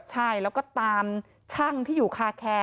ใช่แล้วก็ตามช่างที่อยู่คาแคร์